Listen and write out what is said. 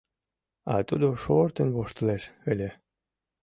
А тудо шортын воштылеш ыле...